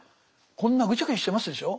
こんなぐちゃぐちゃしてますでしょう